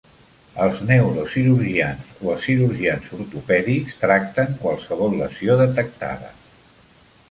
Els neurocirurgians o els cirurgians ortopèdics tracten qualsevol lesió detectada.